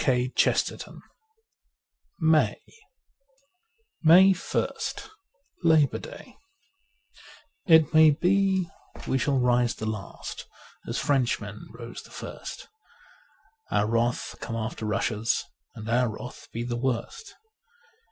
^ 130 M AY K 2 MAY ist LABOUR DAY IT may be we shall rise the last as Frenchmen rose the first ; Our wrath come after Russia's, and our wrath be the worst.